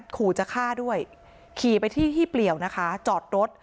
ขู่จะฆ่าด้วยขี่ไปที่ที่เปลี่ยวนะคะจอดรถ